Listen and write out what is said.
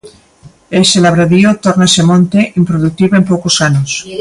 Ese labradío tórnase monte improdutivo en poucos anos.